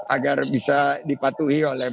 agar bisa dipatuhi oleh